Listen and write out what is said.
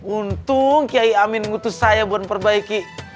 untung kiai amin ngutu saya buat perbaiki